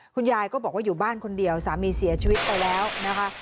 คุณยายก็บอกว่าอยู่บ้านคนเดียวสามีเสียชีวิตไปแล้วนะคะ